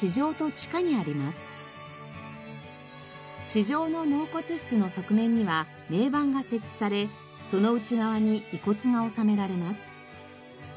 地上の納骨室の側面には銘板が設置されその内側に遺骨が納められます。